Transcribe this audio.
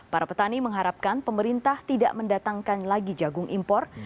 para petani mengharapkan pemerintah tidak mendatangkan lagi jagung impor